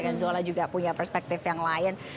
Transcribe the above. dan zola juga punya perspektif yang lain